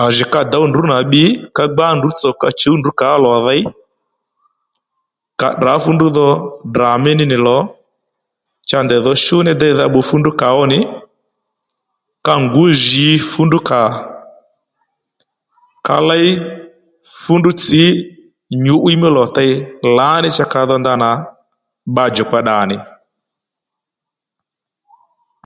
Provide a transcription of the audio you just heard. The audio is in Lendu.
À jì ka dǒw ndrǔ nà bbi ka gbá ndrǔ tsò ka chǔw ndrǔ kǎ lò dhey ka tdrǎ fú ndrǔ dhò Ddrà mí ní nì lò cha ndèy dho shú ní déydha bbu fú ndrǔ kàó nì ka ngǔw jǐ fú ndrǔ kǎ ka ley fú ndrǔ tsǐ nyǔ'wiy mí lò tey lǎní cha ka dho ndanà bba djùkpa ddà nì